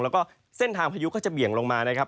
แล้วก็เส้นทางพายุก็จะเบี่ยงลงมานะครับ